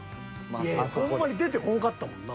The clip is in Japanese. いやいやほんまに出てこんかったもんな。